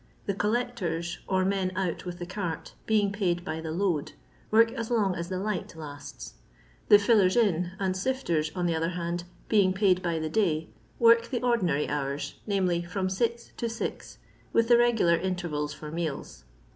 The " collectors/' or men out with the cart, being paid by the load, work as long OS the light huts; the " iillers in" and sifters, on the other hand, being paid by the day, work the ordinary hours, viz., from six to six, with the regular intervals for meals.